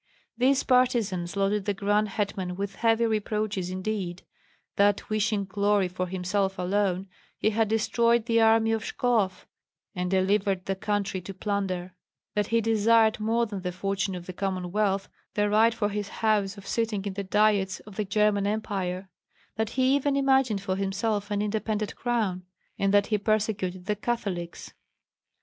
These partisans loaded the grand hetman with heavy reproaches indeed, that wishing glory for himself alone, he had destroyed the army at Shklov and delivered the country to plunder; that he desired more than the fortune of the Commonwealth, the right for his house of sitting in the diets of the German Empire; that he even imagined for himself an independent crown, and that he persecuted the Catholics.